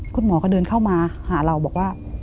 คุณหมอก็เดินเข้ามาหาเราบอกว่า